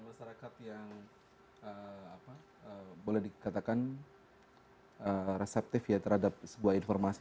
masyarakat yang boleh dikatakan reseptif ya terhadap sebuah informasi